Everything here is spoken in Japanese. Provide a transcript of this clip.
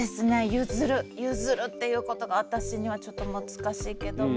ゆずるゆずるっていうことが私にはちょっと難しいけども。